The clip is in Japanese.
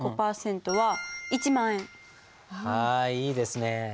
はいいいですね。